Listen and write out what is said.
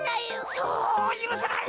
そうゆるせない。